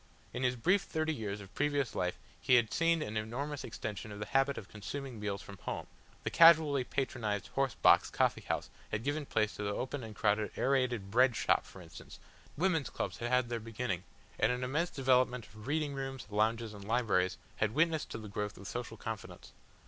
In his brief thirty years of previous life he had seen an enormous extension of the habit of consuming meals from home, the casually patronised horse box coffee house had given place to the open and crowded Aerated Bread Shop for instance, women's clubs had had their beginning, and an immense development of reading rooms, lounges and libraries had witnessed to the growth of social confidence.